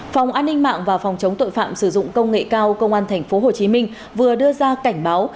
phòng an ninh mạng và phòng chống tội phạm sử dụng công nghệ cao công an tp hcm vừa đưa ra cảnh báo